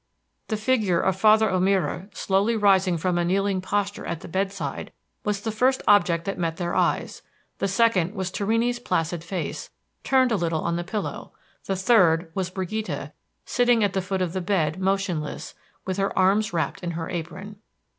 The figure of Father O'Meara slowly rising from a kneeling posture at the bedside was the first object that met their eyes; the second was Torrini's placid face, turned a little on the pillow; the third was Brigida sitting at the foot of the bed, motionless, with her arms wrapped in her apron.